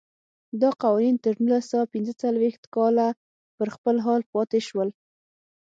دا قوانین تر نولس سوه پنځه څلوېښت کاله پر خپل حال پاتې شول.